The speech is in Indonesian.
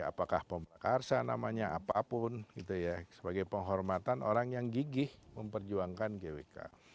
apakah pembakarsa namanya apapun gitu ya sebagai penghormatan orang yang gigih memperjuangkan gwk